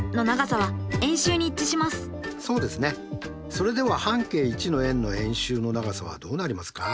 それでは半径１の円の円周の長さはどうなりますか？